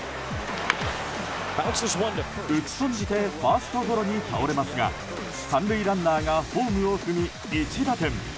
打ち損じてファーストゴロに倒れますが３塁ランナーがホームを踏み１打点。